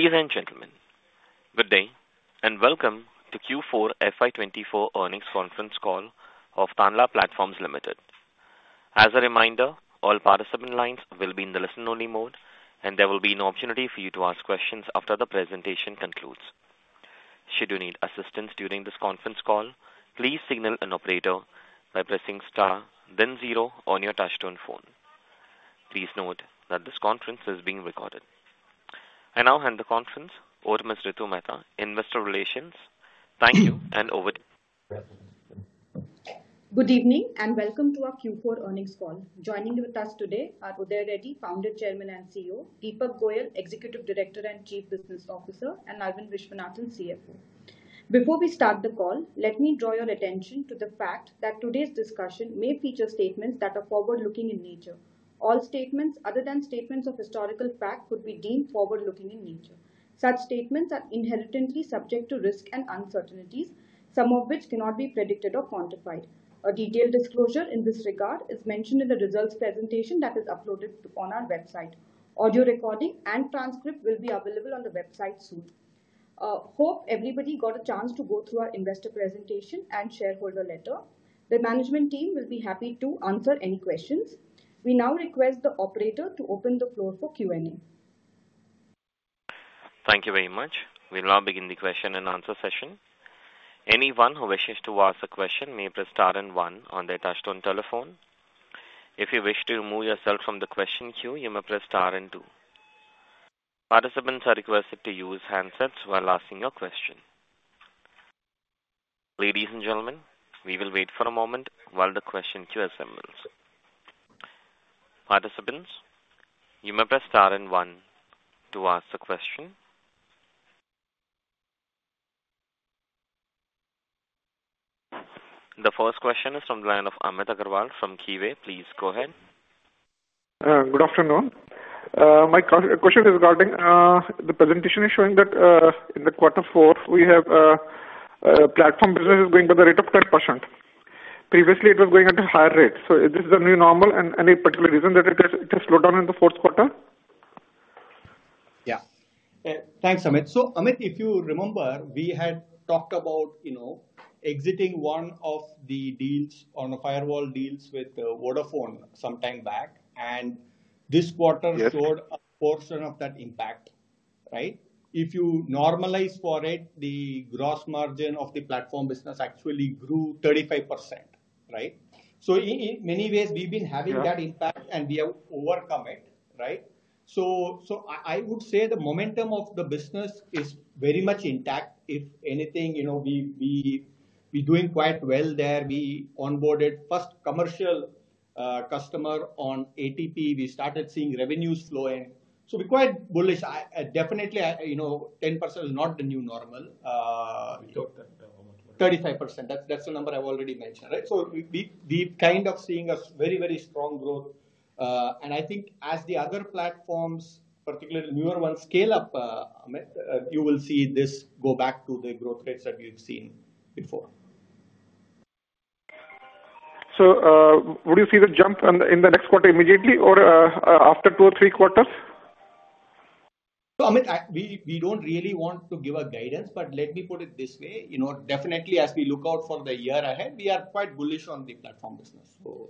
Ladies and gentlemen, good day, and welcome to Q4 FY 2024 earnings conference call of Tanla Platforms Limited. As a reminder, all participant lines will be in the listen-only mode, and there will be an opportunity for you to ask questions after the presentation concludes. Should you need assistance during this conference call, please signal an operator by pressing star then zero on your touchtone phone. Please note that this conference is being recorded. I now hand the conference over to Ms. Ritu Mehta, Investor Relations. Thank you, and over to you. Good evening, and welcome to our Q4 earnings call. Joining with us today are Uday Reddy, Founder, Chairman, and CEO; Deepak Goyal, Executive Director and Chief Business Officer; and Aravind Viswanathan, CFO. Before we start the call, let me draw your attention to the fact that today's discussion may feature statements that are forward-looking in nature. All statements other than statements of historical fact could be deemed forward-looking in nature. Such statements are inherently subject to risks and uncertainties, some of which cannot be predicted or quantified. A detailed disclosure in this regard is mentioned in the results presentation that is uploaded on our website. Audio recording and transcript will be available on the website soon. Hope everybody got a chance to go through our investor presentation and shareholder letter. The management team will be happy to answer any questions. We now request the operator to open the floor for Q&A. Thank you very much. We'll now begin the question and answer session. Anyone who wishes to ask a question may press star and one on their touchtone telephone. If you wish to remove yourself from the question queue, you may press star and two. Participants are requested to use handsets while asking your question. Ladies and gentlemen, we will wait for a moment while the question queue assembles. Participants, you may press star and one to ask the question. The first question is from the line of Amit Agarwal from Leeway. Please go ahead. Good afternoon. My question is regarding the presentation is showing that in the fourth quarter, we have platform business is growing by the rate of 10%. Previously, it was growing at a higher rate, so is this the new normal and any particular reason that it has slowed down in the fourth quarter? Yeah. Thanks, Amit. So, Amit, if you remember, we had talked about, you know, exiting one of the deals on the firewall deals with Vodafone some time back, and this quarter- Yes. Showed a portion of that impact, right? If you normalize for it, the gross margin of the platform business actually grew 35%, right? So in many ways, we've been having- Yeah. that impact, and we have overcome it, right? So, so I, I would say the momentum of the business is very much intact. If anything, you know, we, we, we're doing quite well there. We onboarded first commercial customer on ATP. We started seeing revenues flowing, so we're quite bullish. I, I definitely, I... You know, 10% is not the new normal. Thirty-five percent. That's, that's the number I've already mentioned, right? So we, we, we're kind of seeing a very, very strong growth, and I think as the other platforms, particularly the newer ones, scale up, Amit, you will see this go back to the growth rates that we've seen before. So, would you see the jump in the next quarter immediately or after two or three quarters? So, Amit, I, we, we don't really want to give a guidance, but let me put it this way: you know, definitely as we look out for the year ahead, we are quite bullish on the platform business. So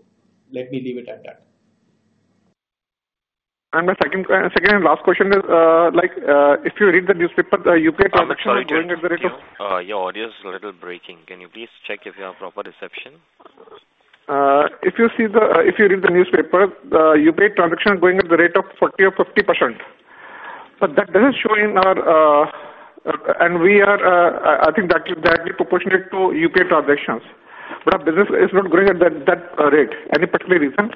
let me leave it at that. My second and last question is, like, if you read the newspaper, the UPI transaction- Amit, sorry to interrupt you. Your audio is a little breaking. Can you please check if you have proper reception? If you see the, if you read the newspaper, the UPI transaction is growing at the rate of 40% or 50%. But that doesn't show in our... And we are, I think that be proportionate to UPI transactions, but our business is not growing at that rate. Any particular reason?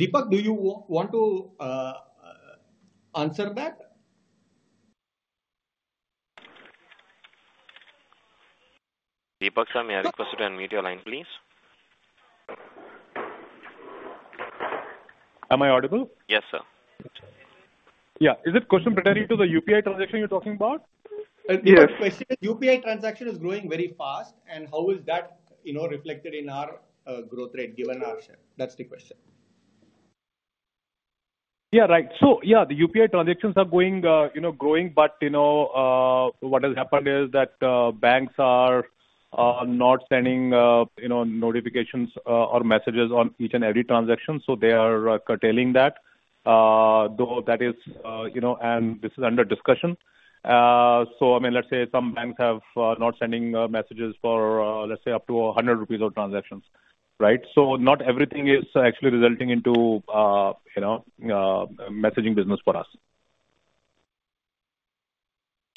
Deepak, do you want to answer that? Deepak, sir, may I request you to unmute your line, please? Am I audible? Yes, sir. Okay. Yeah, is this question pertaining to the UPI transaction you're talking about? Yes. Yes. The question is, UPI transaction is growing very fast, and how is that, you know, reflected in our, growth rate given our share? That's the question. Yeah, right. So, yeah, the UPI transactions are growing, you know, growing, but, you know, what has happened is that, banks are, are not sending, you know, notifications, or messages on each and every transaction. So they are, curtailing that. Though that is, you know, and this is under discussion. So, I mean, let's say some banks have, not sending, messages for, let's say, up to 100 rupees of transactions, right? So not everything is actually resulting into, you know, messaging business for us.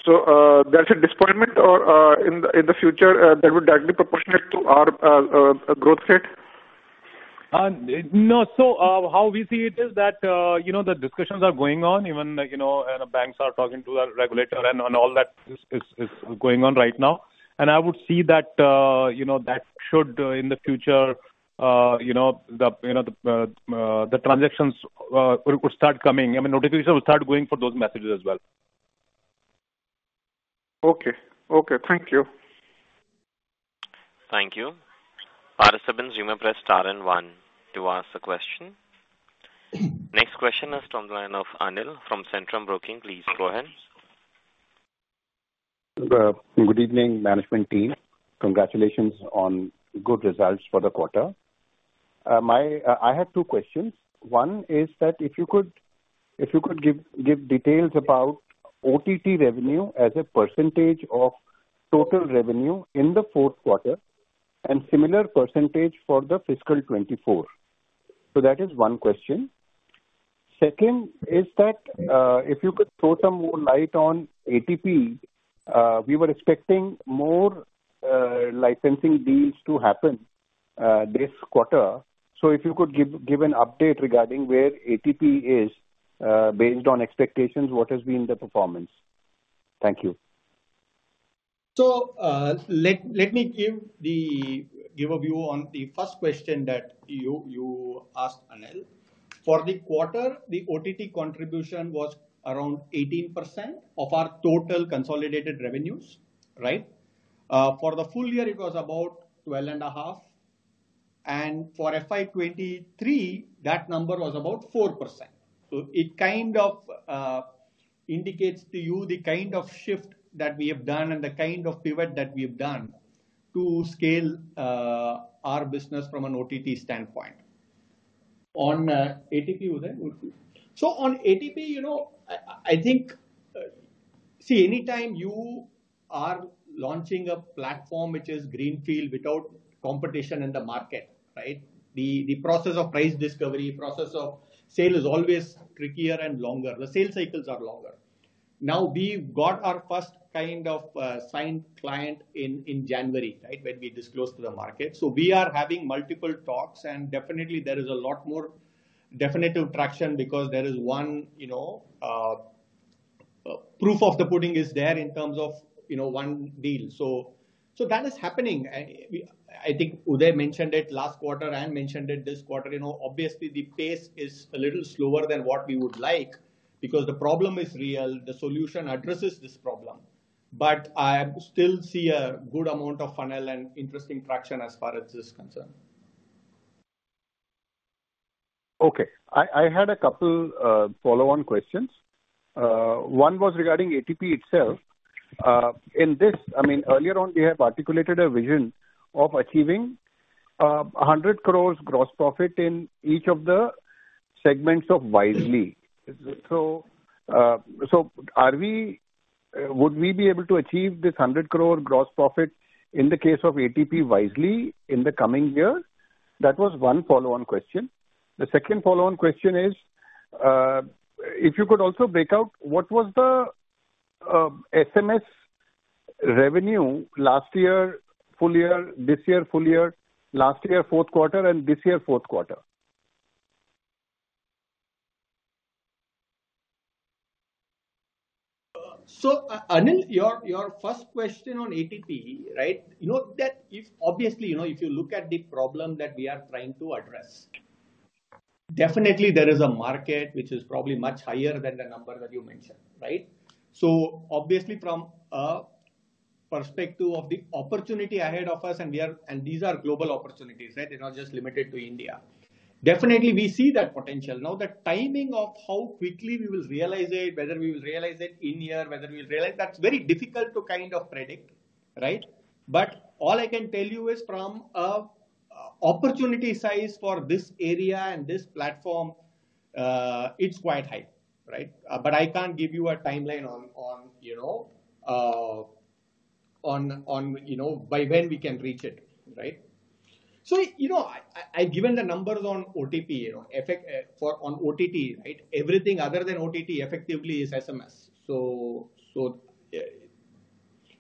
So, that's a disappointment or, in the future, that would directly proportionate to our growth rate? No. So, how we see it is that, you know, the discussions are going on, even, you know, and the banks are talking to the regulator and all that is going on right now. And I would see that, you know, that should, in the future, you know, the transactions would start coming. I mean, notifications will start going for those messages as well. Okay. Okay, thank you. Thank you. Participants, you may press star and one to ask the question. Next question is from the line of Anil from Centrum Broking. Please go ahead. Good evening, management team. Congratulations on good results for the quarter. I have two questions. One is that if you could give details about OTT revenue as a percentage of total revenue in the fourth quarter and similar percentage for the fiscal 2024. So that is one question. Second is that if you could throw some more light on ATP, we were expecting more licensing deals to happen this quarter. So if you could give an update regarding where ATP is based on expectations, what has been the performance? Thank you. So, let me give a view on the first question that you asked, Anil. For the quarter, the OTT contribution was around 18% of our total consolidated revenues, right? For the full year it was about 12.5%, and for FY 2023, that number was about 4%. So it kind of indicates to you the kind of shift that we have done and the kind of pivot that we have done to scale our business from an OTT standpoint. On ATP, Uday? So on ATP, you know, I think. See, anytime you are launching a platform which is greenfield without competition in the market, right? The process of price discovery, process of sale is always trickier and longer. The sales cycles are longer. Now, we've got our first kind of signed client in January, right? When we disclosed to the market. So we are having multiple talks, and definitely there is a lot more definitive traction because there is one, you know, proof of the pudding is there in terms of, you know, one deal. So that is happening. And we, I think Uday mentioned it last quarter, I mentioned it this quarter, you know, obviously the pace is a little slower than what we would like because the problem is real, the solution addresses this problem. But I still see a good amount of funnel and interesting traction as far as this is concerned. Okay. I had a couple follow-on questions. One was regarding ATP itself. In this, I mean, earlier on, we have articulated a vision of achieving 100 crores gross profit in each of the segments of Wisely. So, would we be able to achieve this 100 crore gross profit in the case of ATP Wisely in the coming year? That was one follow-on question. The second follow-on question is, if you could also break out, what was the SMS revenue last year, full year, this year, full year, last year, fourth quarter, and this year, fourth quarter? So, Anil, your first question on ATP, right? You know, that if. Obviously, you know, if you look at the problem that we are trying to address, definitely there is a market which is probably much higher than the number that you mentioned, right? So obviously from a perspective of the opportunity ahead of us, and we are, and these are global opportunities, right? They're not just limited to India. Definitely, we see that potential. Now, the timing of how quickly we will realize it, whether we will realize it in here, whether we will realize, that's very difficult to kind of predict, right? But all I can tell you is from a, opportunity size for this area and this platform, it's quite high, right? But I can't give you a timeline on, you know, on, you know, by when we can reach it, right? So, you know, I, I've given the numbers on OTT, you know, effect, for on OTT, right? Everything other than OTT effectively is SMS. So,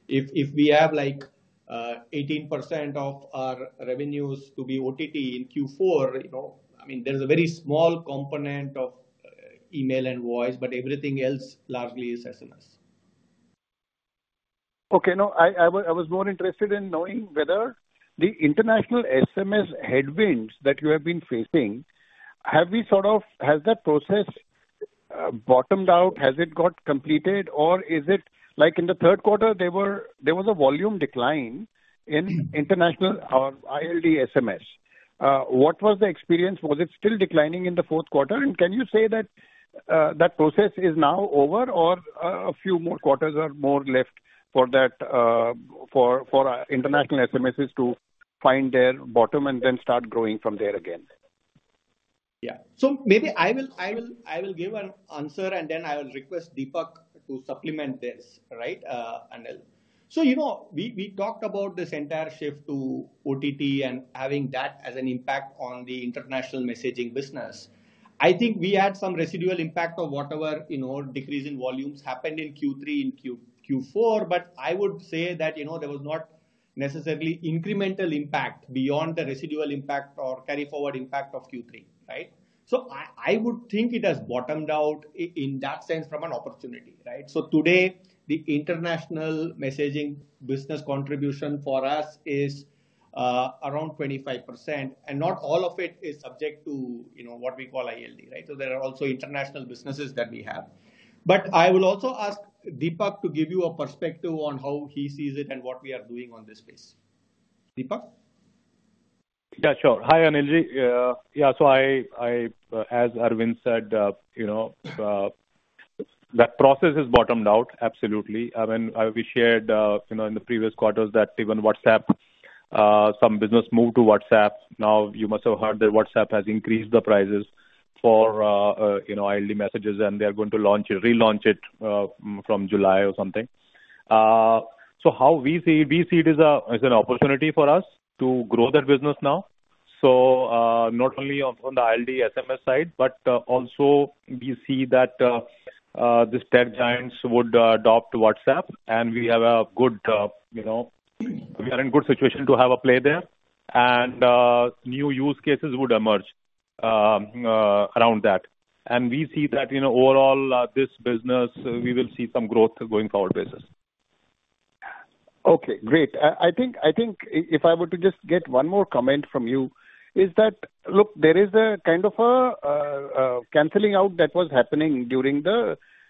if we have, like, 18% of our revenues to be OTT in Q4, you know, I mean, there's a very small component of, email and voice, but everything else largely is SMS. Okay. No, I was more interested in knowing whether the international SMS headwinds that you have been facing, have we sort of has that process bottomed out? Has it got completed, or is it? Like in the third quarter, there was a volume decline in international or ILD SMS. What was the experience? Was it still declining in the fourth quarter? And can you say that that process is now over or a few more quarters are more left for that for our international SMSs to find their bottom and then start growing from there again? Yeah. So maybe I will give an answer, and then I will request Deepak to supplement this, right, Anil. So, you know, we talked about this entire shift to OTT and having that as an impact on the international messaging business. I think we had some residual impact of whatever, you know, decrease in volumes happened in Q3, in Q4, but I would say that, you know, there was not necessarily incremental impact beyond the residual impact or carry forward impact of Q3, right? So I would think it has bottomed out, in that sense from an opportunity, right? So today, the international messaging business contribution for us is around 25%, and not all of it is subject to, you know, what we call ILD, right? So there are also international businesses that we have. But I will also ask Deepak to give you a perspective on how he sees it and what we are doing on this space. Deepak? Yeah, sure. Hi, Anil Ji. Yeah, so I, as Arvind said, you know, that process has bottomed out. Absolutely. I mean, we shared, you know, in the previous quarters that even WhatsApp, some business moved to WhatsApp. Now, you must have heard that WhatsApp has increased the prices for, you know, ILD messages, and they are going to launch it-- relaunch it, from July or something. So how we see, we see it as a, as an opportunity for us to grow that business now. So, not only on, on the ILD SMS side, but, also we see that, these tech giants would, adopt WhatsApp, and we have a good, you know, we are in good situation to have a play there. And new use cases would emerge around that. And we see that, you know, overall this business, we will see some growth going forward basis. Okay, great. I think if I were to just get one more comment from you, is that, look, there is a kind of a canceling out that was happening during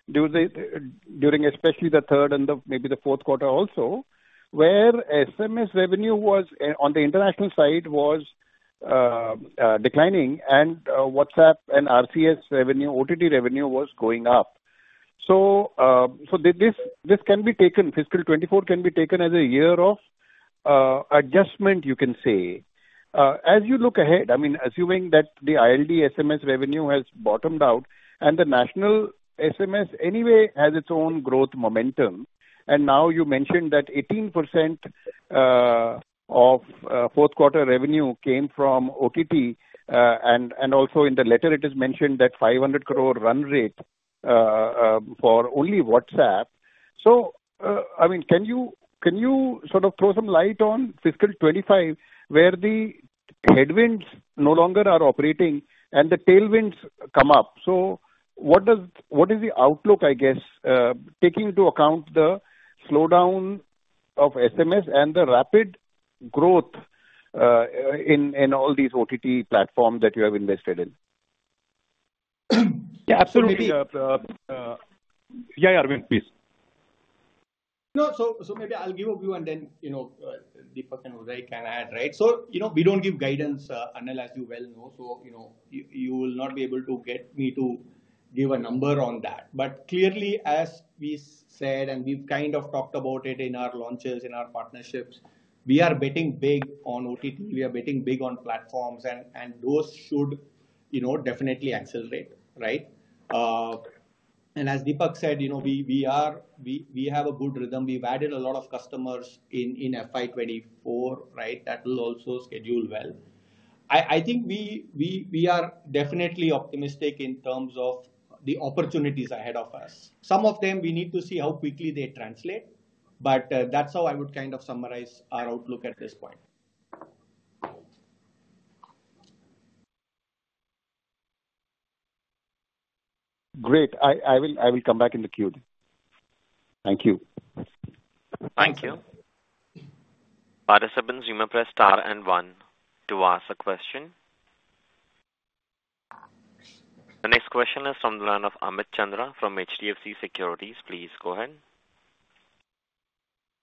especially the third and maybe the fourth quarter also, where SMS revenue was on the international side declining, and WhatsApp and RCS revenue, OTT revenue was going up. So this can be taken, fiscal 2024 can be taken as a year of adjustment, you can say. As you look ahead, I mean, assuming that the ILD SMS revenue has bottomed out and the national SMS anyway has its own growth momentum, and now you mentioned that 18% of fourth quarter revenue came from OTT, and also in the letter it is mentioned that 500 crore run rate for only WhatsApp. So, I mean, can you, can you sort of throw some light on fiscal 2025, where the headwinds no longer are operating and the tailwinds come up? So what does. What is the outlook, I guess, taking into account the slowdown of SMS and the rapid growth in all these OTT platforms that you have invested in? Yeah, absolutely. Yeah, Aravind, please. No, so maybe I'll give a view, and then, you know, Deepak and Uday can add, right? So, you know, we don't give guidance, Anil, as you well know, so, you know, you will not be able to get me to give a number on that. But clearly, as we said, and we've kind of talked about it in our launches, in our partnerships, we are betting big on OTT, we are betting big on platforms, and those should, you know, definitely accelerate, right? And as Deepak said, you know, we are, we have a good rhythm. We've added a lot of customers in FY 2024, right? That will also schedule well. I think we are definitely optimistic in terms of the opportunities ahead of us. Some of them, we need to see how quickly they translate, but that's how I would kind of summarize our outlook at this point. Great. I will come back in the queue. Thank you. Thank you. Participants, you may press Star and One to ask a question. The next question is from the line of Amit Chandra from HDFC Securities. Please go ahead.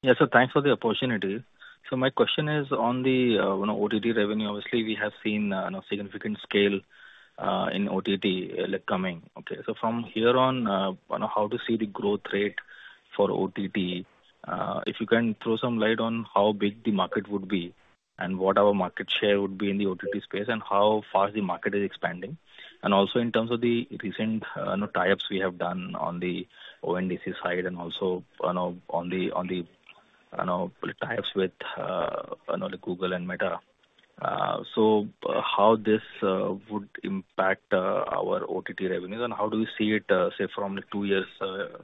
Yes, sir, thanks for the opportunity. So my question is on the, you know, OTT revenue. Obviously, we have seen, you know, significant scale in OTT coming. Okay. So from here on, you know, how to see the growth rate for OTT? If you can throw some light on how big the market would be and what our market share would be in the OTT space, and how fast the market is expanding. And also, in terms of the recent, you know, tie-ups we have done on the ONDC side and also, you know, on the tie-ups with, you know, the Google and Meta. So how this would impact our OTT revenues, and how do you see it, say, from two years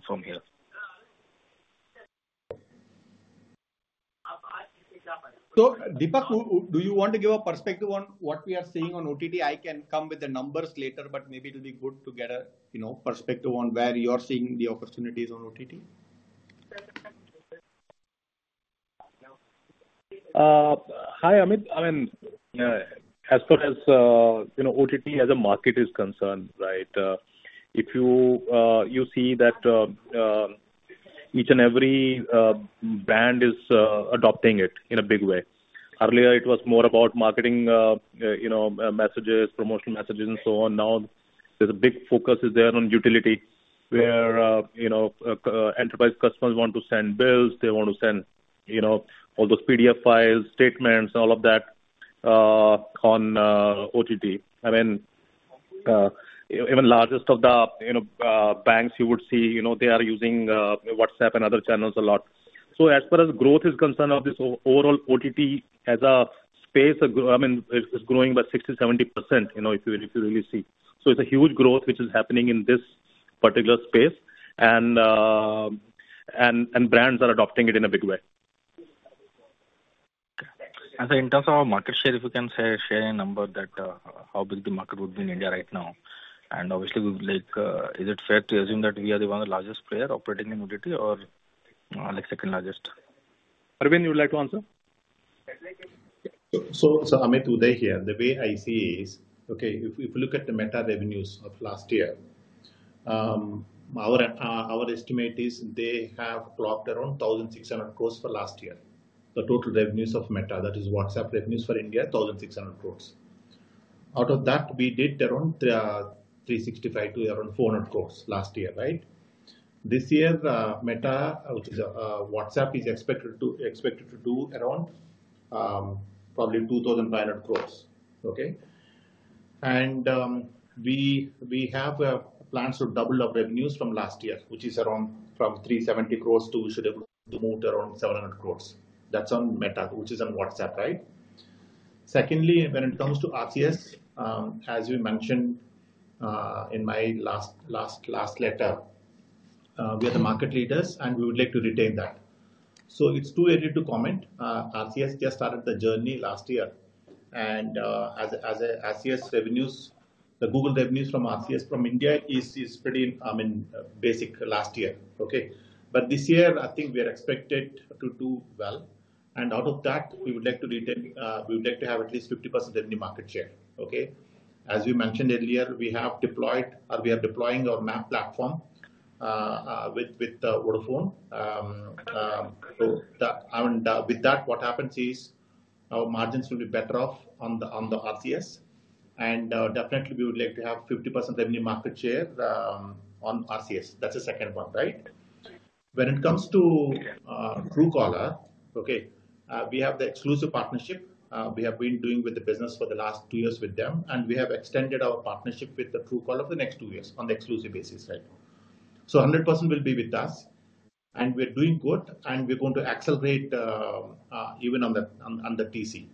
from here? So, Deepak, do you want to give a perspective on what we are seeing on OTT? I can come with the numbers later, but maybe it'll be good to get a, you know, perspective on where you are seeing the opportunities on OTT. Hi, Amit. I mean, as far as, you know, OTT as a market is concerned, right? If you see that, each and every brand is adopting it in a big way. Earlier, it was more about marketing, you know, messages, promotional messages, and so on. Now, there's a big focus is there on utility, where, you know, enterprise customers want to send bills, they want to send, you know, all those PDF files, statements, all of that, on OTT. I mean, even largest of the, you know, banks you would see, you know, they are using, WhatsApp and other channels a lot. So as far as growth is concerned, of this overall OTT as a space, I mean, it's growing by 60%-70%, you know, if you really see. So it's a huge growth, which is happening in this particular space, and brands are adopting it in a big way. In terms of our market share, if you can say, share a number that, how big the market would be in India right now? Obviously, we would like, is it fair to assume that we are the one of the largest player operating in OTT or, like second largest? Aravind, you would like to answer? So, Amit, Uday here. The way I see is, okay, if you look at the Meta revenues of last year. Our estimate is they have dropped around 1,600 crore for last year. The total revenues of Meta, that is WhatsApp revenues for India, 1,600 crore. Out of that, we did around three sixty-five to around four hundred crores last year, right? This year, Meta, which is WhatsApp, is expected to do around, probably 2,500 crore. Okay? And we have plans to double our revenues from last year, which is around from 370 crore to we should able to move to around 700 crore. That's on Meta, which is on WhatsApp, right? Secondly, when it comes to RCS, as we mentioned in my last letter, we are the market leaders, and we would like to retain that. So it's too early to comment. RCS just started the journey last year, and RCS revenues, the Google revenues from RCS from India is pretty, I mean, basic last year, okay? But this year, I think we are expected to do well, and out of that, we would like to retain. We would like to have at least 50% in the market share, okay? As we mentioned earlier, we have deployed or we are deploying our MaaP platform with Vodafone. So with that, what happens is our margins will be better off on the RCS, and definitely we would like to have 50% revenue market share on RCS. That's the second one, right? When it comes to Truecaller, okay, we have the exclusive partnership. We have been doing with the business for the last two years with them, and we have extended our partnership with the Truecaller for the next two years on the exclusive basis, right? So 100% will be with us, and we're doing good, and we're going to accelerate even on the TC.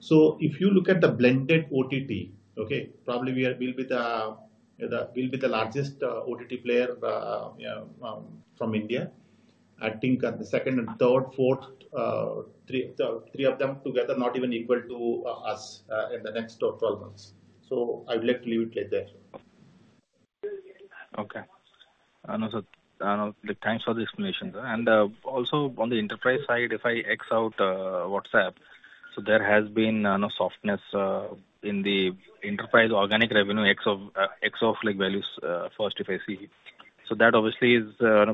So if you look at the blended OTT, okay, probably we'll be the largest OTT player, you know, from India. I think, the second and third, fourth, three, the three of them together, not even equal to us, in the next 12 months. So I would like to leave it like that. Okay. Also, thanks for the explanation. Also on the enterprise side, if I ex out WhatsApp, so there has been no softness in the enterprise organic revenue, ex of ValueFirst if I see. So that obviously is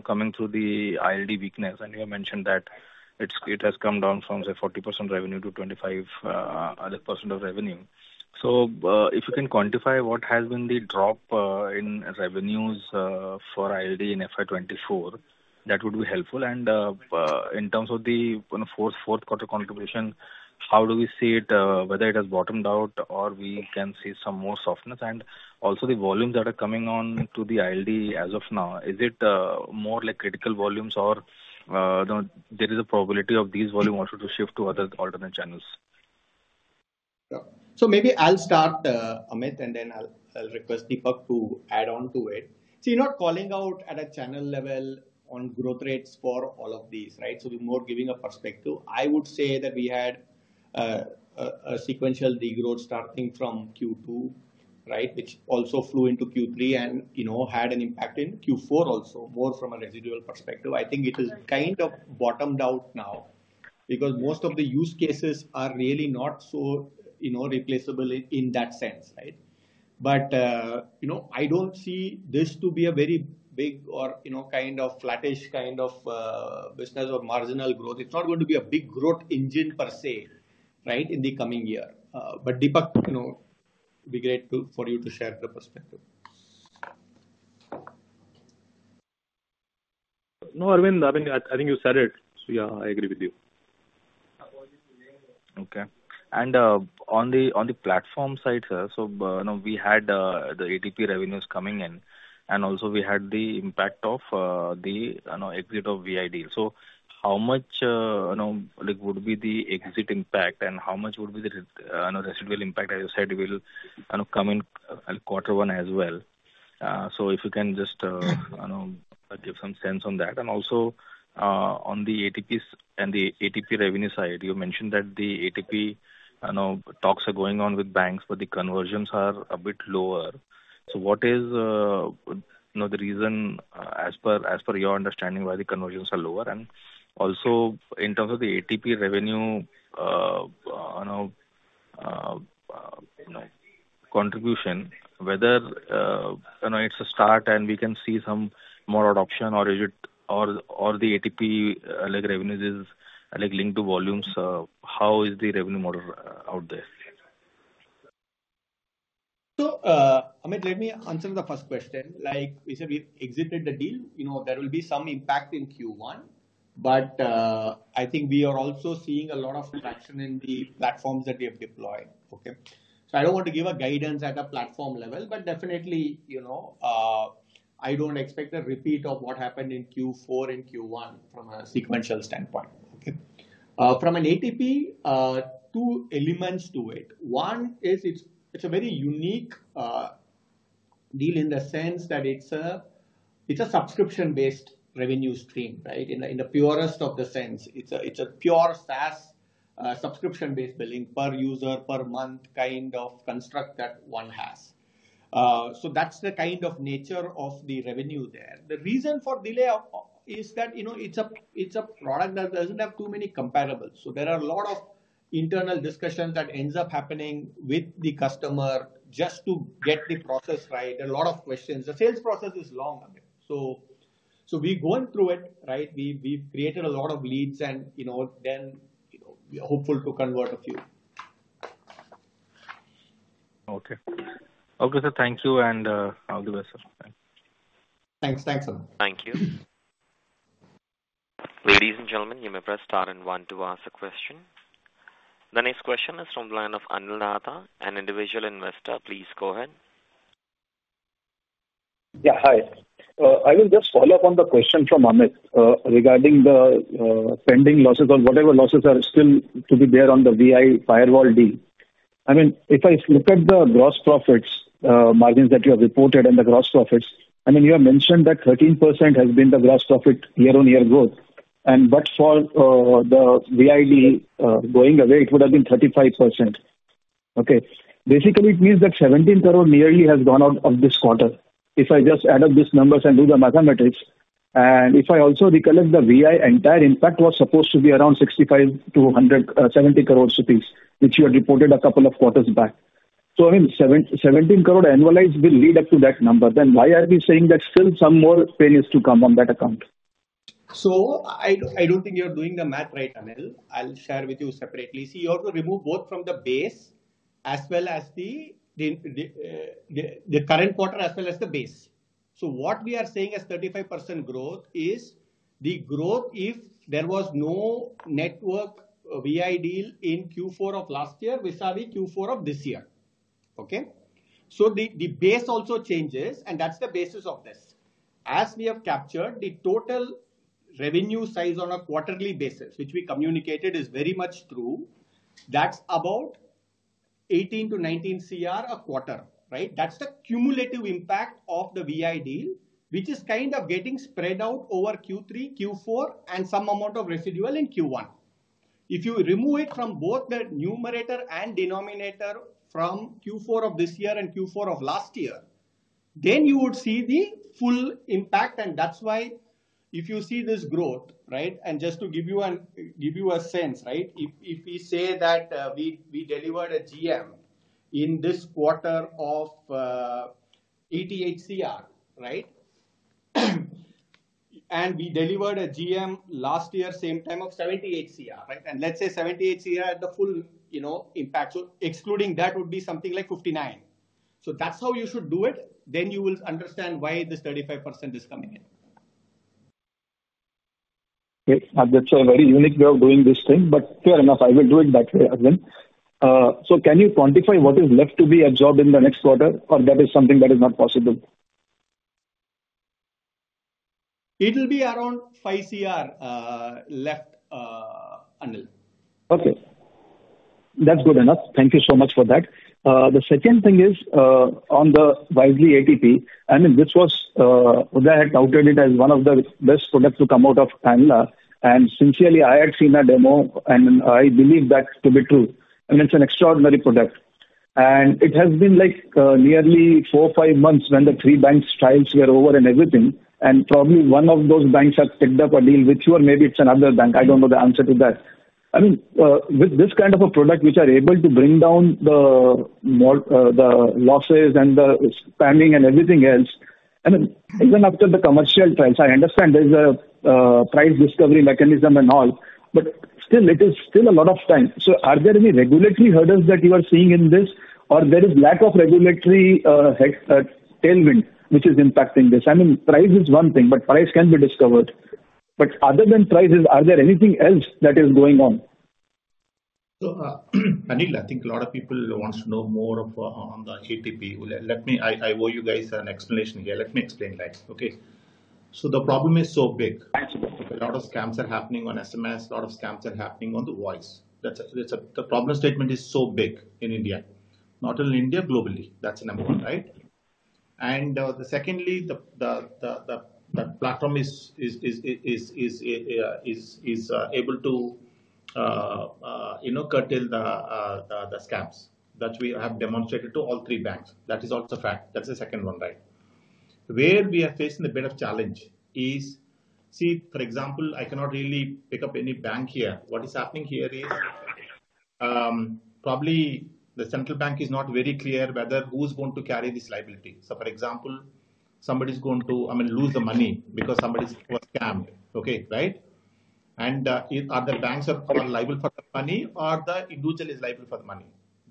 coming through the ILD weakness, and you have mentioned that it has come down from, say, 40% revenue to 25% of revenue. So if you can quantify what has been the drop in revenues for ILD in FY 2024, that would be helpful. In terms of the, you know, fourth quarter contribution, how do we see it, whether it has bottomed out or we can see some more softness? Also, the volumes that are coming on to the ILD as of now, is it more like critical volumes or, you know, there is a probability of these volume also to shift to other alternate channels? So, maybe I'll start, Amit, and then I'll request Deepak to add on to it. See, not calling out at a channel level on growth rates for all of these, right? So the more giving a perspective, I would say that we had a sequential degrowth starting from Q2, right? Which also flew into Q3 and, you know, had an impact in Q4 also, more from a residual perspective. I think it is kind of bottomed out now, because most of the use cases are really not so, you know, replaceable in that sense, right? But, you know, I don't see this to be a very big or, you know, kind of flattish kind of business or marginal growth. It's not going to be a big growth engine per se, right? In the coming year. But Deepak, you know, be grateful for you to share the perspective. No, Aravind, I think, I think you said it, so, yeah, I agree with you. Okay. And on the platform side, sir, so you know, we had the ATP revenues coming in, and also we had the impact of the you know, exit of Vi deal. So how much you know, like, would be the exit impact, and how much would be the residual impact, as you said, will kind of come in quarter one as well. So if you can just you know, give some sense on that. And also on the ATPs and the ATP revenue side, you mentioned that the ATP you know, talks are going on with banks, but the conversions are a bit lower. So what is you know, the reason as per your understanding, why the conversions are lower? And also, in terms of the ATP revenue, you know, contribution, whether you know, it's a start and we can see some more adoption, or is it... or, or the ATP, like, revenues is, like, linked to volumes, how is the revenue model out there? So, Amit, let me answer the first question. Like you said, we exited the deal, you know, there will be some impact in Q1, but, I think we are also seeing a lot of traction in the platforms that we have deployed, okay? So I don't want to give a guidance at a platform level, but definitely, you know, I don't expect a repeat of what happened in Q4 and Q1 from a sequential standpoint, okay? From an ATP, two elements to it. One is, it's a very unique deal in the sense that it's a subscription-based revenue stream, right? In the purest of the sense, it's a pure SaaS subscription-based billing per user, per month kind of construct that one has. So that's the kind of nature of the revenue there. The reason for delay of all is that, you know, it's a product that doesn't have too many comparables. So there are a lot of internal discussions that ends up happening with the customer just to get the process right, a lot of questions. The sales process is long. So, so we're going through it, right? We've, we've created a lot of leads and, you know, then, you know, we are hopeful to convert a few. Okay. Okay, sir, thank you, and all the best. Bye. Thanks. Thanks, sir. Thank you. Ladies and gentlemen, you may press star and one to ask a question. The next question is from the line of Anil Nath, an individual investor. Please go ahead. Yeah, hi. I will just follow up on the question from Amit, regarding the pending losses or whatever losses are still to be there on the Vi firewall deal. I mean, if I look at the gross profits, margins that you have reported and the gross profits, I mean, you have mentioned that 13% has been the gross profit year-on-year growth, and but for the Vi deal going away, it would have been 35%. Okay. Basically, it means that nearly 17 crore has gone out of this quarter. If I just add up these numbers and do the mathematics, and if I also recollect, the Vi entire impact was supposed to be around 65-170 crore rupees, which you had reported a couple of quarters back. I mean, 717 crore annualized will lead up to that number, then why are we saying that still some more pain is to come on that account? So, I don't think you're doing the math right, Anil. I'll share with you separately. See, you have to remove both from the base as well as the current quarter as well as the base. So what we are saying as 35% growth is the growth if there was no network Vi deal in Q4 of last year vis-a-vis Q4 of this year. Okay? So the base also changes, and that's the basis of this. As we have captured, the total revenue size on a quarterly basis, which we communicated, is very much true. That's about 18-19 crore a quarter, right? That's the cumulative impact of the Vi deal, which is kind of getting spread out over Q3, Q4, and some amount of residual in Q1. If you remove it from both the numerator and denominator from Q4 of this year and Q4 of last year, then you would see the full impact, and that's why if you see this growth, right? And just to give you a sense, right, if we say that we delivered a GM in this quarter of INR 88 crore, right? And we delivered a GM last year, same time of 78 crore, right? And let's say 78 crore had the full, you know, impact. So excluding that would be something like 59 crore. So that's how you should do it, then you will understand why this 35% is coming in. Okay. That's a very unique way of doing this thing, but fair enough, I will do it that way again. So can you quantify what is left to be absorbed in the next quarter, or that is something that is not possible? It will be around 5 crore left, Anil. Okay. That's good enough. Thank you so much for that. The second thing is, on the Wisely ATP, I mean, this was, Uday had touted it as one of the best products to come out of Tanla. Sincerely, I had seen a demo, and I believe that to be true. I mean, it's an extraordinary product. It has been, like, nearly four or five months when the three banks trials were over and everything, and probably one of those banks has picked up a deal with you or maybe it's another bank. I don't know the answer to that. I mean, with this kind of a product, which are able to bring down the more, the losses and the spending and everything else, I mean, even after the commercial trials, I understand there's a, price discovery mechanism and all, but still, it is still a lot of time. So are there any regulatory hurdles that you are seeing in this, or there is lack of regulatory, tailwind which is impacting this? I mean, price is one thing, but price can be discovered. But other than prices, are there anything else that is going on? So, Anil, I think a lot of people wants to know more of on the ATP. Let me. I owe you guys an explanation here. Let me explain that. Okay? So the problem is so big. Absolutely. A lot of scams are happening on SMS, a lot of scams are happening on the voice. That's the problem statement is so big in India. Not only India, globally. That's number one, right? And secondly, the platform is able to, you know, curtail the scams. That we have demonstrated to all three banks. That is also a fact. That's the second one, right? Where we are facing a bit of challenge is. See, for example, I cannot really pick up any bank here. What is happening here is. Yeah. Probably the central bank is not very clear whether who's going to carry this liability. So, for example, somebody's going to, I mean, lose the money because somebody's got scammed. Okay, right? And, are the banks are liable for the money or the individual is liable for the money?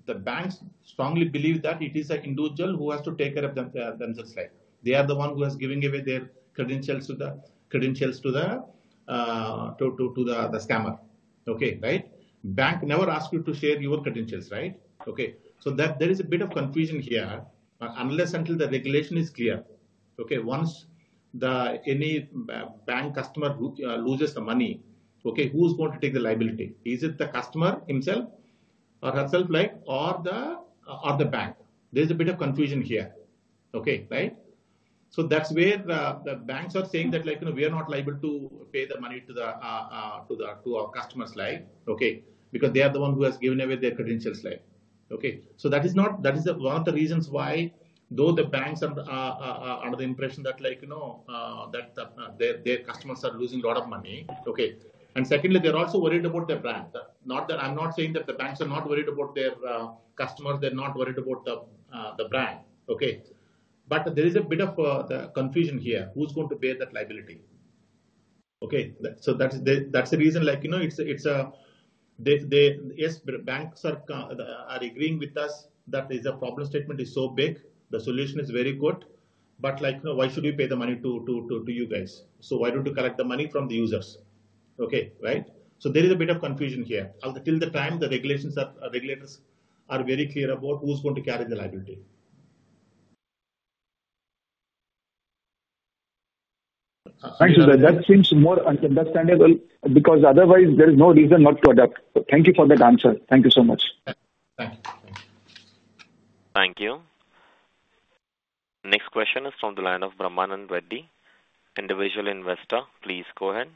The banks strongly believe that it is the individual who has to take care of them, themselves. They are the one who has given away their credentials to the scammer. Okay, right? Bank never ask you to share your credentials, right? Okay. So that there is a bit of confusion here, unless until the regulation is clear. Okay, once the any bank customer loses the money, okay, who's going to take the liability? Is it the customer himself or herself, like, or the bank? There's a bit of confusion here, okay, right? So that's where the banks are saying that, like, you know, we are not liable to pay the money to the, to our customers, like, okay? Because they are the one who has given away their credentials, like... Okay, so that is one of the reasons why though the banks are under the impression that, like, you know, that their customers are losing a lot of money. Okay? And secondly, they're also worried about their brand. Not that... I'm not saying that the banks are not worried about their customers, they're not worried about the brand, okay? But there is a bit of the confusion here, who's going to pay that liability? Okay, so that's the reason, like, you know, it's a - they... Yes, banks are agreeing with us that there's a problem statement is so big, the solution is very good, but, like, you know, why should we pay the money to you guys? So why don't you collect the money from the users? Okay, right. So there is a bit of confusion here until the time the regulations are, regulators are very clear about who's going to carry the liability. Thank you. That seems more understandable, because otherwise there is no reason not to adopt. Thank you for that answer. Thank you so much. Thank you. Thank you. Next question is from the line of Brahmanand Reddy, individual investor. Please go ahead.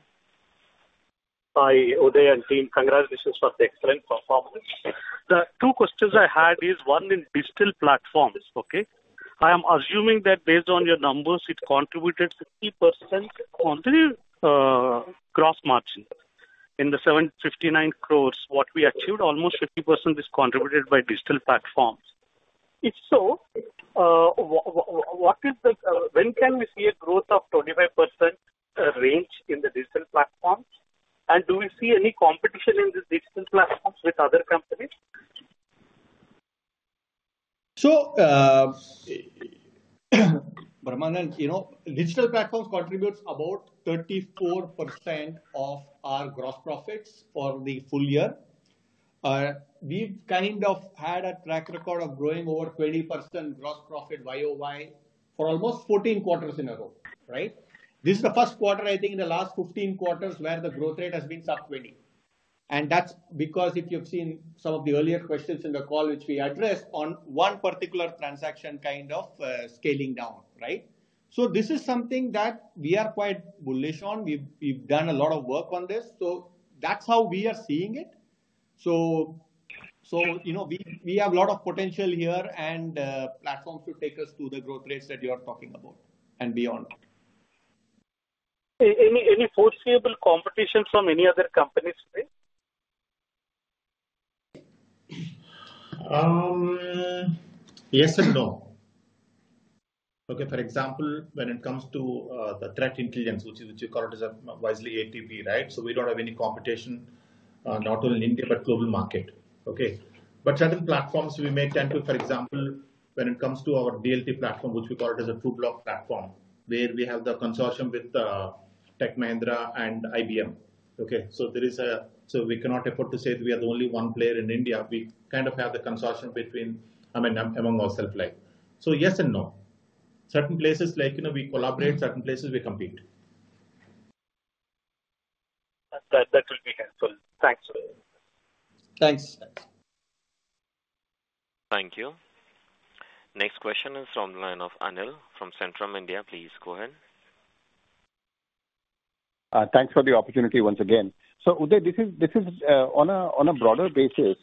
Hi, Uday and team. Congratulations for the excellent performance. The two questions I had is: one, in digital platforms, okay? I am assuming that based on your numbers, it contributed 50% on the gross margin. In the 759 crore, what we achieved, almost 50% is contributed by digital platforms. If so, what is the... When can we see a growth of 25% range in the digital platforms? And do we see any competition in these digital platforms with other companies? So, Brahmanand, you know, digital platforms contributes about 34% of our gross profits for the full year. We've kind of had a track record of growing over 20% gross profit YOY for almost 14 quarters in a row, right? This is the first quarter, I think, in the last 15 quarters, where the growth rate has been sub 20%. That's because if you've seen some of the earlier questions in the call, which we addressed, on one particular transaction kind of scaling down, right? So this is something that we are quite bullish on. We've done a lot of work on this, so that's how we are seeing it. So, you know, we have a lot of potential here, and platforms will take us to the growth rates that you are talking about and beyond. Any foreseeable competition from any other companies, right? Yes and no. Okay, for example, when it comes to the threat intelligence, which is, which you call it as a Wisely ATP, right? So we don't have any competition, not only in India but global market. Okay? But certain platforms we may tend to, for example, when it comes to our DLT platform, which we call it as a Trubloq platform, where we have the consortium with Tech Mahindra and IBM. Okay, so there is. So we cannot afford to say we are the only one player in India. We kind of have the consortium between, I mean, among ourselves, like. So yes and no. Certain places, like, you know, we collaborate, certain places we compete. That, that will be helpful. Thanks. Thanks. Thank you. Next question is from the line of Anil, from Centrum India. Please go ahead. Thanks for the opportunity once again. So, Uday, this is on a broader basis.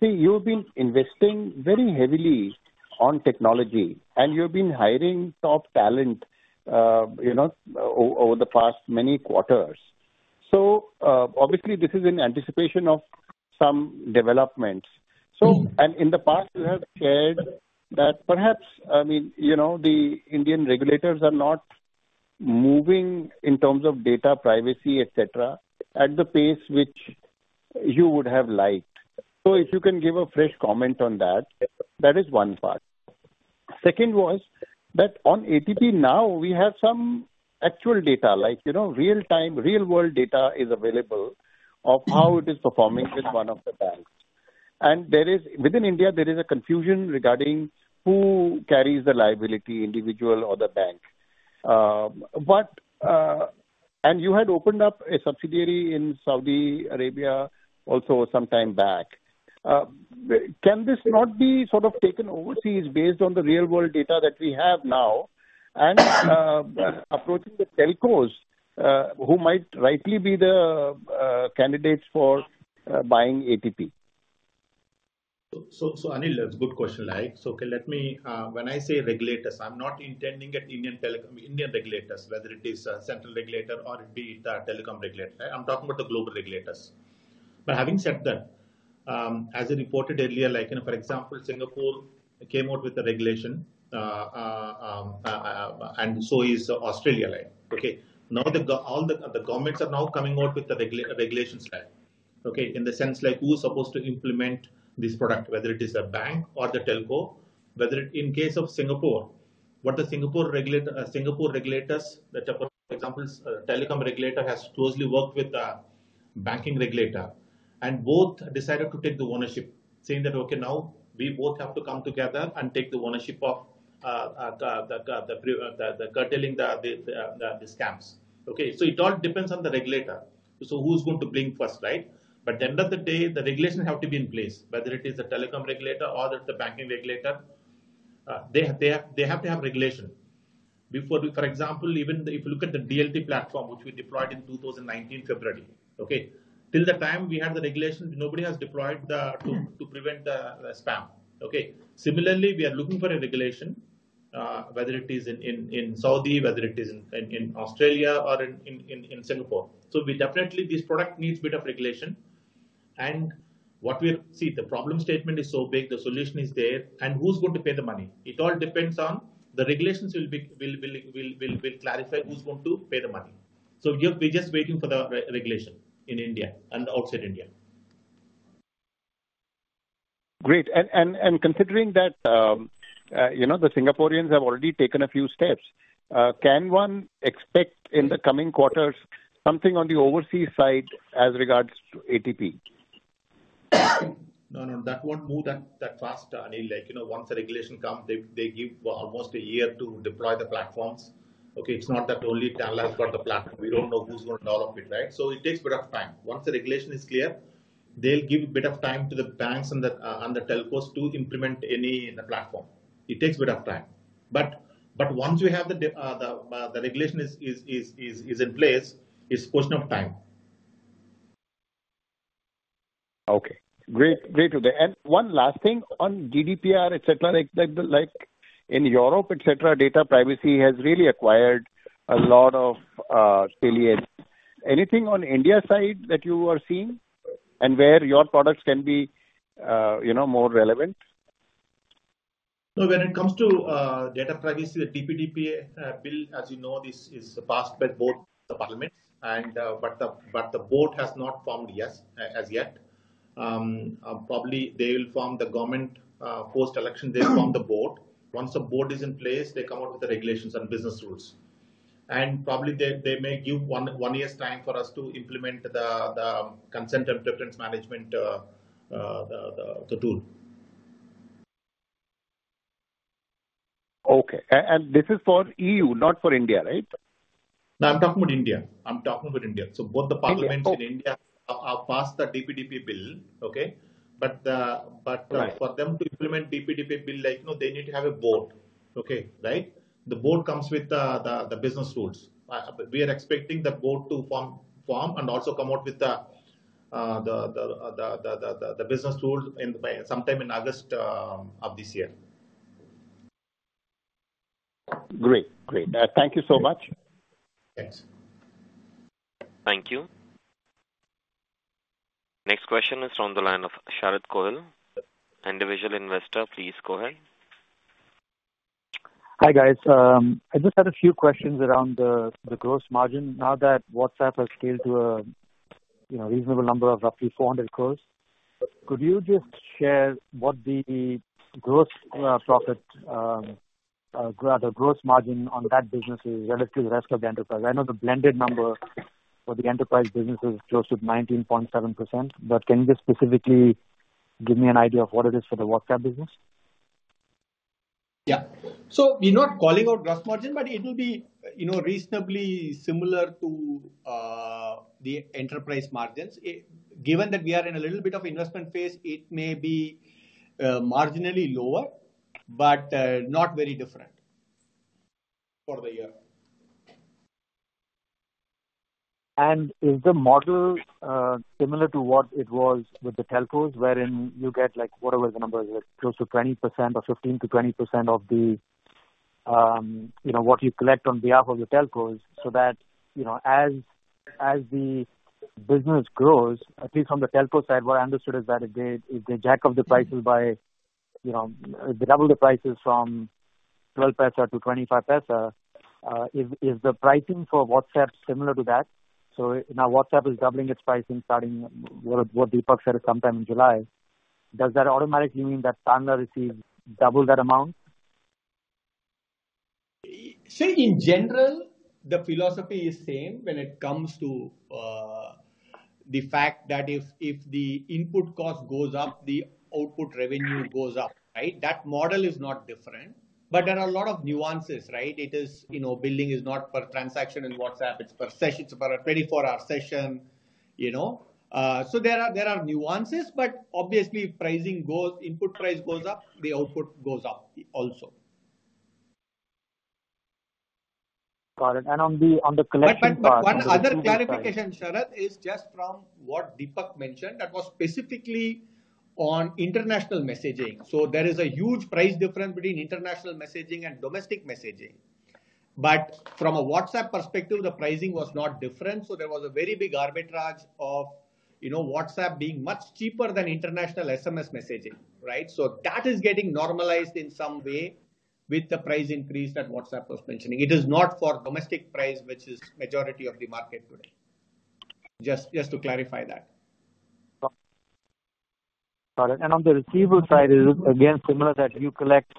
See, you've been investing very heavily on technology, and you've been hiring top talent, you know, over the past many quarters. So, obviously, this is in anticipation of some developments. So, and in the past, you have said that perhaps, I mean, you know, the Indian regulators are not moving in terms of data privacy, et cetera, at the pace which you would have liked. So if you can give a fresh comment on that, that is one part. Second was, that on ATP now we have some actual data, like, you know, real-time, real-world data is available. of how it is performing with one of the banks. And there is. Within India, there is a confusion regarding who carries the liability, individual or the bank. But... And you had opened up a subsidiary in Saudi Arabia also some time back. Can this not be sort of taken overseas based on the real-world data that we have now, and approaching the telcos who might rightly be the candidates for buying ATP? So, Anil, that's a good question, right? So, okay, let me. When I say regulators, I'm not intending at Indian telecom- Indian regulators, whether it is a central regulator or it be the telecom regulator. I'm talking about the global regulators. But having said that, as I reported earlier, like, you know, for example, Singapore came out with a regulation, and so is Australia, like, okay? Now, all the, the governments are now coming out with regulations, right, okay? In the sense like, who's supposed to implement this product, whether it is a bank or the telco. In case of Singapore, what the Singapore regulator, Singapore regulators, the type of examples, telecom regulator has closely worked with the banking regulator, and both decided to take the ownership, saying that: "Okay, now we both have to come together and take the ownership of curtailing the scams." Okay, so it all depends on the regulator. So who's going to blink first, right? But at the end of the day, the regulations have to be in place, whether it is the telecom regulator or the banking regulator, they have to have regulation before, for example, even if you look at the DLT platform, which we deployed in February 2019, okay? Till the time we had the regulation, nobody has deployed to prevent the spam. Okay. Similarly, we are looking for a regulation, whether it is in Saudi, whether it is in Singapore. So we definitely this product needs a bit of regulation. And what we see, the problem statement is so big, the solution is there, and who's going to pay the money? It all depends on the regulations will clarify who's going to pay the money. So we are, we're just waiting for the regulation in India and outside India. Great. And considering that, you know, the Singaporeans have already taken a few steps, can one expect in the coming quarters something on the overseas side as regards to ATP? No, no, that won't move that, that fast, Anil. Like, you know, once the regulation comes, they give almost a year to deploy the platforms. Okay, it's not that only Tanla has got the platform. We don't know who's going to roll out it, right? So it takes a bit of time. Once the regulation is clear, they'll give a bit of time to the banks and the, and the telcos to implement any in the platform. It takes a bit of time. But once you have the regulation in place, it's question of time. Okay. Great, great, Uday. And one last thing on GDPR, et cetera, like, like, like in Europe, et cetera, data privacy has really acquired a lot of salience. Anything on India side that you are seeing and where your products can be, you know, more relevant? So when it comes to data privacy, the DPDP bill, as you know, this is passed by both the parliament and, but the board has not formed yet. Probably they will form the government post-election, they form the board. Once the board is in place, they come out with the regulations and business rules. And probably they may give one year's time for us to implement the consent and preference management, the tool. Okay. And this is for EU, not for India, right? No, I'm talking about India. I'm talking about India. So both the parliaments. India, okay. In India have passed the DPDP bill. Okay? But, Right. But for them to implement DPDP bill, like, you know, they need to have a board. Okay, right? The board comes with the business rules. We are expecting the board to form and also come out with the business rules in by sometime in August of this year. Great. Great. Thank you so much. Thanks. Thank you. Next question is on the line of Sharad Kohli, individual investor. Please, go ahead. Hi, guys. I just had a few questions around the gross margin. Now that WhatsApp has scaled to a, you know, reasonable number of roughly 400 crore, could you just share what the gross profit or the gross margin on that business is relative to the rest of the enterprise? I know the blended number for the enterprise business is close to 19.7%, but can you just specifically give me an idea of what it is for the WhatsApp business? Yeah. So we're not calling out gross margin, but it will be, you know, reasonably similar to the enterprise margins. Given that we are in a little bit of investment phase, it may be marginally lower, but not very different for the year. Is the model similar to what it was with the telcos, wherein you get, like, whatever the number is, like close to 20% or 15%-20% of the, you know, what you collect on behalf of the telcos, so that, you know, as the business grows, at least from the telco side, what I understood is that they jack up the prices by, you know, they double the prices from 0.12 to 0.25. Is the pricing for WhatsApp similar to that? So now WhatsApp is doubling its pricing, starting what Deepak said, sometime in July. Does that automatically mean that Tanla receives double that amount? In general, the philosophy is same when it comes to the fact that if the input cost goes up, the output revenue goes up, right? That model is not different, but there are a lot of nuances, right? It is. You know, billing is not per transaction in WhatsApp, it's per session, it's about a 24-hour session, you know. So there are nuances, but obviously, pricing goes-- input price goes up, the output goes up also. Got it. And on the collection part- But, but one other clarification, Sharad, is just from what Deepak mentioned, that was specifically on international messaging. So there is a huge price difference between international messaging and domestic messaging. But from a WhatsApp perspective, the pricing was not different, so there was a very big arbitrage of, you know, WhatsApp being much cheaper than international SMS messaging, right? So that is getting normalized in some way with the price increase that WhatsApp was mentioning. It is not for domestic price, which is majority of the market today. Just, just to clarify that. Got it. On the receivable side, is it again similar, that you collect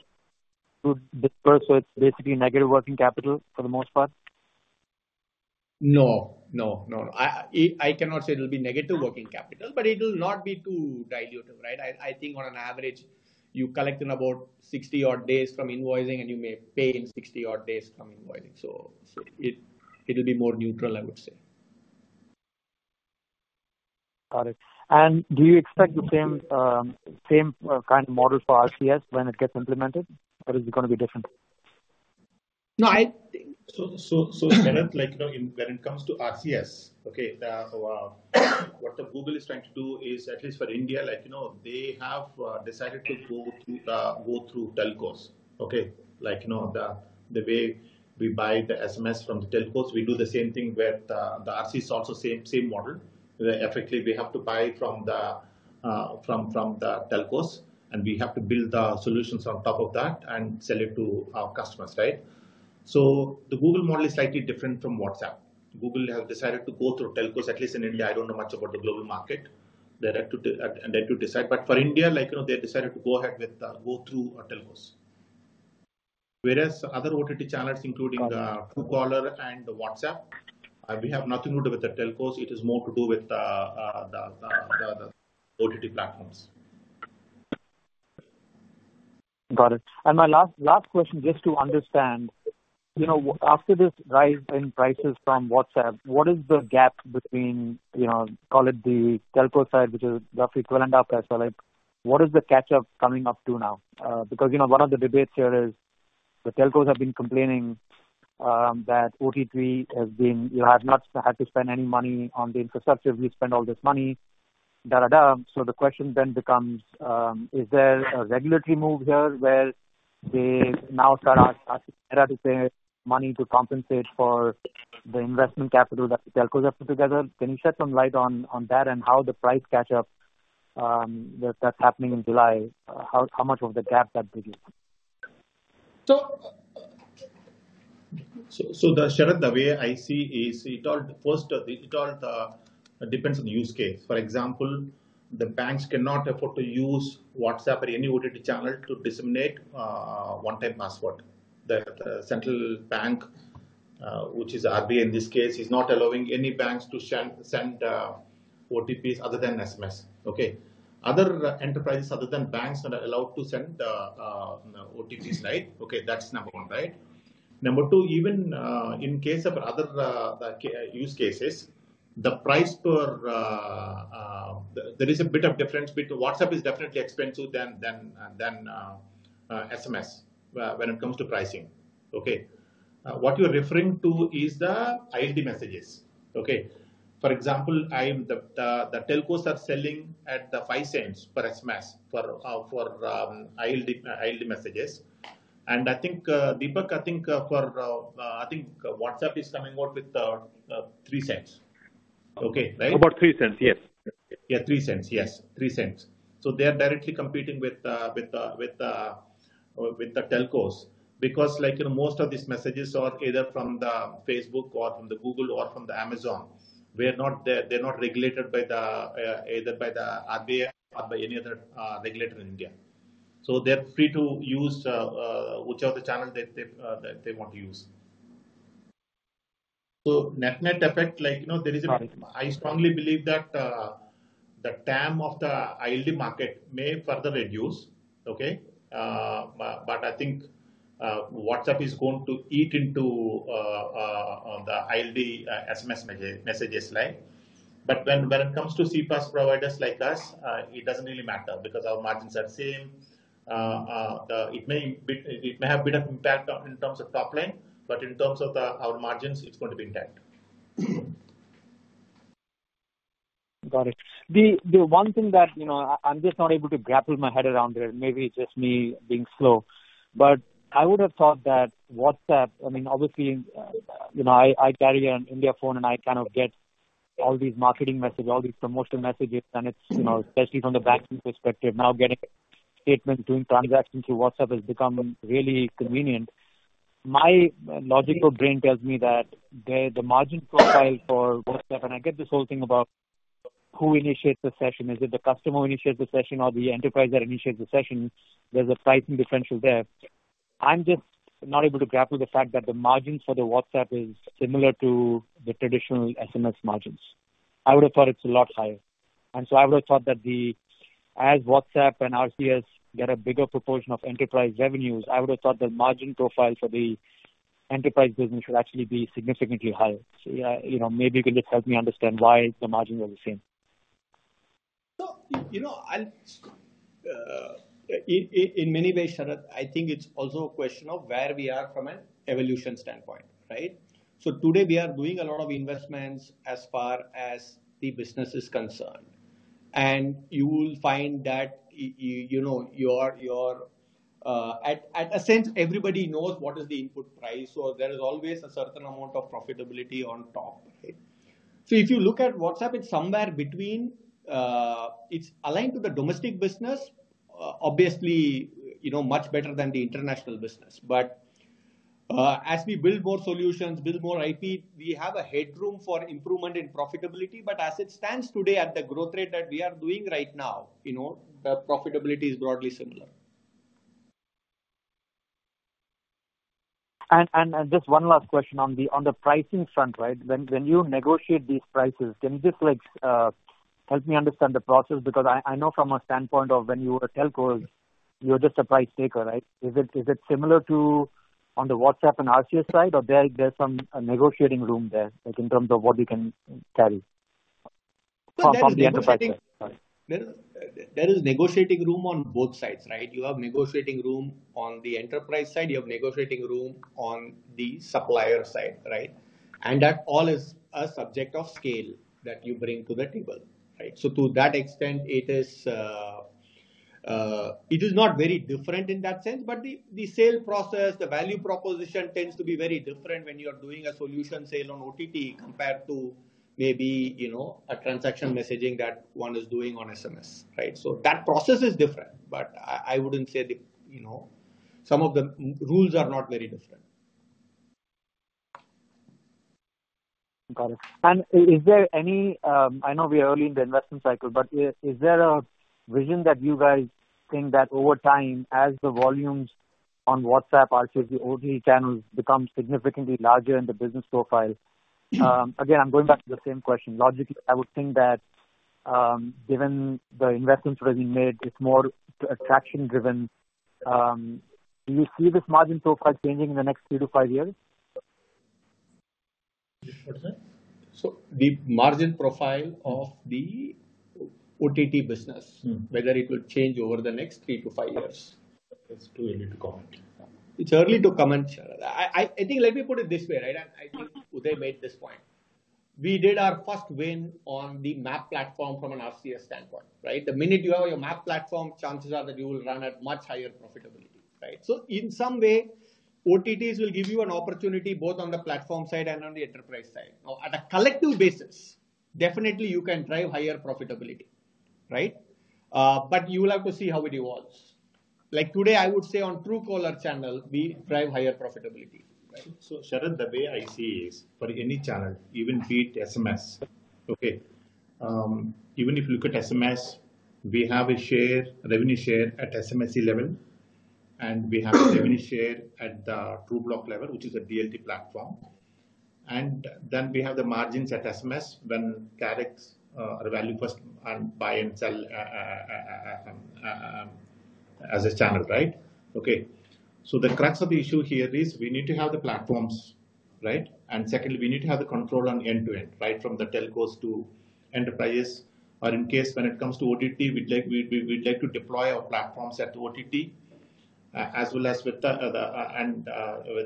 to disperse, so it's basically negative working capital for the most part? No. No, no. I, I cannot say it will be negative working capital, but it will not be too dilutive, right? I, I think on an average, you collect in about 60 odd days from invoicing, and you may pay in 60 odd days from invoicing. So, so it, it will be more neutral, I would say. Got it. And do you expect the same, same kind of model for RCS when it gets implemented, or is it going to be different? No, I. So, Sharad, like, you know, when it comes to RCS, okay, what Google is trying to do is, at least for India, like, you know, they have decided to go through telcos, okay? Like, you know, the way we buy the SMS from the telcos, we do the same thing with the RCS also, same model. Where effectively, we have to buy from the telcos, and we have to build the solutions on top of that and sell it to our customers, right? So the Google model is slightly different from WhatsApp. Google have decided to go through telcos, at least in India. I don't know much about the global market. They're yet to decide. But for India, like, you know, they decided to go ahead with the go through our telcos. Whereas other OTT channels, including Truecaller and WhatsApp, we have nothing to do with the telcos. It is more to do with the OTT platforms. Got it. And my last, last question, just to understand, you know, after this rise in prices from WhatsApp, what is the gap between, you know, call it the telco side, which is roughly equivalent up as well? What is the catch-up coming up to now? Because, you know, one of the debates here is, the telcos have been complaining, that OTT has been... You have not had to spend any money on the infrastructure. We've spent all this money, da, da, da. So the question then becomes, is there a regulatory move here where they now start asking Meta to pay money to compensate for the investment capital that the telcos have put together? Can you shed some light on, on that and how the price catch-up, that, that's happening in July, how, how much of the gap that bridges? Sharad, the way I see is it all depends on the use case. For example, the banks cannot afford to use WhatsApp or any OTT channel to disseminate one-time password. The central bank, which is RBI in this case, is not allowing any banks to send OTTs other than SMS, okay? Other enterprises other than banks are allowed to send OTTs, right? Okay, that's number one, right. Number two, even in case of other use cases, the price per. There is a bit of difference between WhatsApp is definitely expensive than SMS when it comes to pricing, okay? What you're referring to is the ILD messages, okay? For example, the telcos are selling at $0.05 per SMS for ILD messages. And I think, Deepak, I think WhatsApp is coming out with $0.03. Okay, right? About $0.03, yes. Yeah, $0.03. Yes, $0.03. So they are directly competing with the telcos. Because, like, you know, most of these messages are either from the Facebook or from the Google or from the Amazon. We are not there. They're not regulated by either the RBI or by any other regulator in India. So they're free to use whichever channel they want to use. So net-net effect, like, you know, there is a. Right. I strongly believe that the TAM of the ILD market may further reduce, okay? But I think WhatsApp is going to eat into the ILD SMS messages line. But when it comes to CPaaS providers like us, it doesn't really matter because our margins are the same. It may have a bit of impact on in terms of top line, but in terms of the our margins, it's going to be intact. Got it. The one thing that, you know, I'm just not able to grapple my head around it, maybe it's just me being slow. But I would have thought that WhatsApp, I mean, obviously, you know, I carry an India phone, and I kind of get all these marketing messages, all these promotional messages, and it's. You know, especially from the banking perspective, now, getting statements, doing transactions through WhatsApp has become really convenient. My logical brain tells me that the, the margin profile for WhatsApp, and I get this whole thing about who initiates the session. Is it the customer who initiates the session or the enterprise that initiates the session? There's a pricing differential there. I'm just not able to grapple the fact that the margins for the WhatsApp is similar to the traditional SMS margins. I would have thought it's a lot higher. And so I would have thought that the. As WhatsApp and RCS get a bigger proportion of enterprise revenues, I would have thought the margin profile for the enterprise business should actually be significantly higher. So, yeah, you know, maybe you can just help me understand why the margins are the same. In many ways, Sharad, I think it's also a question of where we are from an evolution standpoint, right? So today, we are doing a lot of investments as far as the business is concerned. You will find that you know, in a sense, everybody knows what is the input price, so there is always a certain amount of profitability on top. So if you look at WhatsApp, it's somewhere between. It's aligned to the domestic business, obviously, you know, much better than the international business. But as we build more solutions, build more IT, we have a headroom for improvement in profitability. But as it stands today, at the growth rate that we are doing right now, you know, the profitability is broadly similar. Just one last question on the pricing front, right? When you negotiate these prices, can you just, like, help me understand the process? Because I know from a standpoint of when you were a telco. You're just a price taker, right? Is it similar to on the WhatsApp and RCS side, or there's some negotiating room there, like, in terms of what you can carry from the enterprise side? Sorry. There, there is negotiating room on both sides, right? You have negotiating room on the enterprise side, you have negotiating room on the supplier side, right? And that all is a subject of scale that you bring to the table, right? So to that extent, it is, it is not very different in that sense. But the sale process, the value proposition tends to be very different when you are doing a solution sale on OTT, compared to maybe, you know, a transaction messaging that one is doing on SMS, right? So that process is different, but I wouldn't say the, you know, some of the main rules are not very different. Got it. And is there any. I know we are early in the investment cycle, but is there a vision that you guys think that over time, as the volumes on WhatsApp, RCS, the OTT channels become significantly larger in the business profile? Again, I'm going back to the same question. Logically, I would think that, given the investments that we made, it's more traction driven. Do you see this margin profile changing in the next three to five years? What's that? So the margin profile of the OTT business, whether it will change over the next three to five years. It's too early to comment. It's early to comment, Sharad. I think let me put it this way, right? And I think Uday made this point. We did our first win on the MaaP platform from an RCS standpoint, right? The minute you have your MaaP platform, chances are that you will run at much higher profitability, right? So in some way, OTTs will give you an opportunity both on the platform side and on the enterprise side. Now, at a collective basis, definitely you can drive higher profitability, right? But you will have to see how it evolves. Like today, I would say on Truecaller channel, we drive higher profitability, right? So, Sharad, the way I see is, for any channel, even be it SMS, okay, even if you look at SMS, we have a share, revenue share at SMSC level, and we have revenue share at the Trubloq level, which is a DLT platform. And then we have the margins at SMS when Karix or ValueFirst and buy and sell as a channel, right? Okay. So the crux of the issue here is we need to have the platforms, right? And secondly, we need to have the control on end-to-end, right, from the telcos to enterprises. Or in case when it comes to OTT, we'd like to deploy our platforms at OTT as well as with the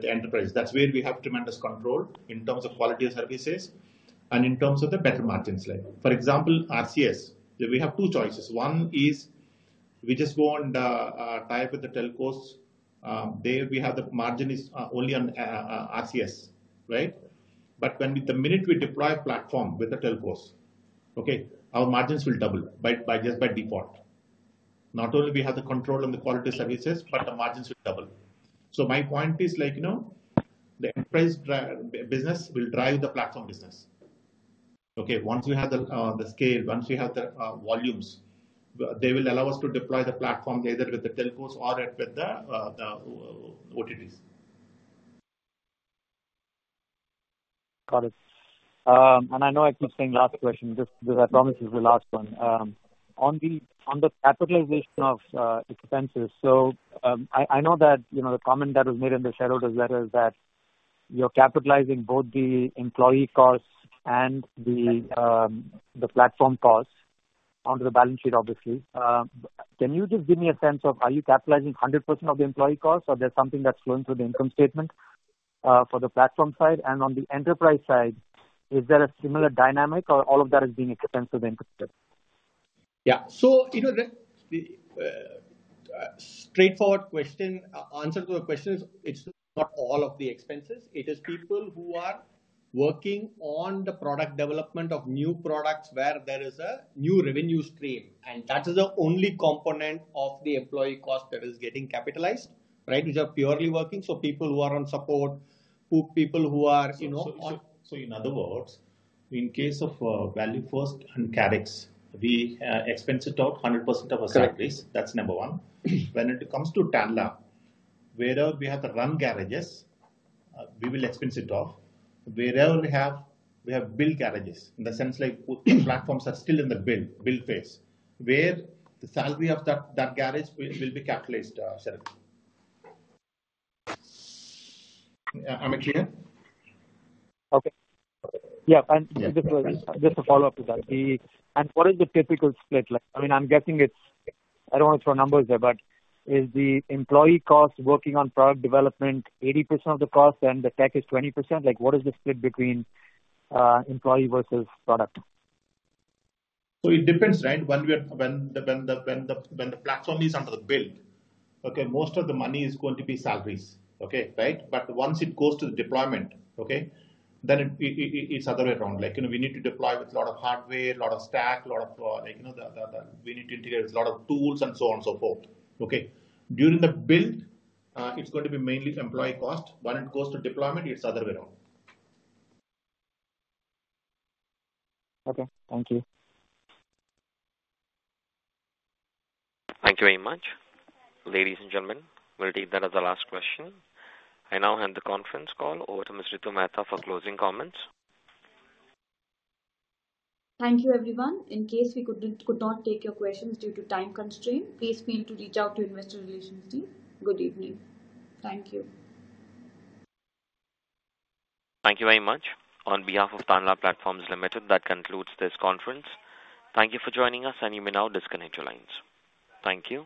enterprise. That's where we have tremendous control in terms of quality of services and in terms of the better margins level. For example, RCS, we have two choices. One is we just go on the tie up with the telcos, there we have the margin is only on RCS, right? But when the minute we deploy a platform with the telcos, okay, our margins will double by, by just by default. Not only we have the control on the quality services, but the margins will double. So my point is like, you know, the enterprise business will drive the platform business. Okay, once we have the scale, once we have the volumes, they will allow us to deploy the platform either with the telcos or with the OTTs. Got it. And I know I keep saying last question, just, this, I promise, is the last one. On the capitalization of expenses, so, I know that, you know, the comment that was made in the roadshow is that you're capitalizing both the employee costs and the platform costs onto the balance sheet, obviously. Can you just give me a sense of are you capitalizing 100% of the employee costs, or there's something that's flowing through the income statement, for the platform side? And on the enterprise side, is there a similar dynamic or all of that is being expensed into it? Yeah. So, you know, the straightforward question, answer to the question is, it's not all of the expenses. It is people who are working on the product development of new products, where there is a new revenue stream, and that is the only component of the employee cost that is getting capitalized, right? Which are purely working, so people who are on support, people who are, you know, on- So, so in other words, in case of ValueFirst and Karix, we expense it out 100% of our salaries. Correct. That's number one. When it comes to Tanla, wherever we have the run garages, we will expense it off. Wherever we have build garages, in the sense like, platforms are still in the build phase, where the salary of that garage will be capitalized itself. Am I clear? Okay. Yeah, and just, just a follow-up to that. And what is the typical split like? I mean, I'm guessing it's... I don't want to throw numbers there, but is the employee cost working on product development 80% of the cost and the tech is 20%? Like, what is the split between employee versus product? So it depends, right? When the platform is under the build, okay, most of the money is going to be salaries. Okay, right? But once it goes to the deployment, okay, then it's the other way around. Like, you know, we need to deploy with a lot of hardware, a lot of stack, a lot of, like, you know, we need to integrate a lot of tools and so on and so forth, okay? During the build, it's going to be mainly employee cost. When it goes to deployment, it's the other way around. Okay, thank you. Thank you very much. Ladies and gentlemen, we'll take that as the last question. I now hand the conference call over to Ms. Ritu Mehta for closing comments. Thank you, everyone. In case we couldn't take your questions due to time constraint, please free to reach out to Investor Relations team. Good evening. Thank you. Thank you very much. On behalf of Tanla Platforms Limited, that concludes this conference. Thank you for joining us, and you may now disconnect your lines. Thank you.